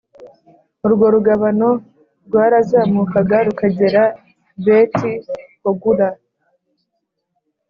Urwo rugabano rwarazamukaga rukagera beti hogula